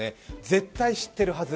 絶対知ってるはず。